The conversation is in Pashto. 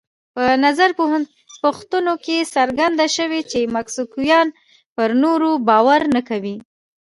په نظر پوښتنو کې څرګنده شوې چې مکسیکویان پر نورو باور نه کوي.